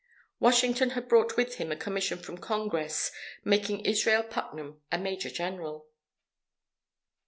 Washington had brought with him a commission from Congress, making Israel Putnam a Major General.